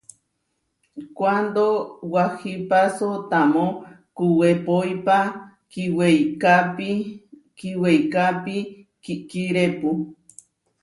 Kuándo wahipáso tamó kuwepoípa kíweikápi kíweikápi kikirépu.